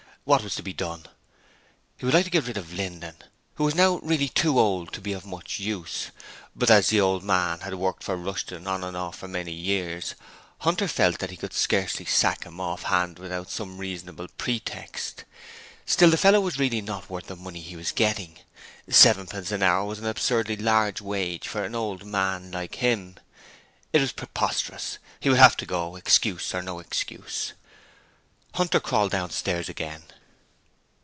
What was to be done? He would like to get rid of Linden, who was now really too old to be of much use, but as the old man had worked for Rushton on and off for many years, Hunter felt that he could scarcely sack him off hand without some reasonable pretext. Still, the fellow was really not worth the money he was getting. Sevenpence an hour was an absurdly large wage for an old man like him. It was preposterous: he would have to go, excuse or no excuse. Hunter crawled downstairs again.